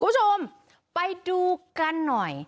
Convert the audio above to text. คุณผู้ชมไปดูกันหน่อย